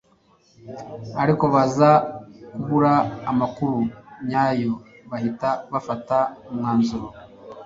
ariko baza kubura amakuru nyayo bahita bafata umwanzuro